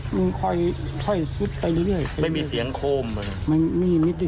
มันค่อยค่อยซุดไปเรื่อยเรื่อยไม่มีเสียงโค่มมันมีมี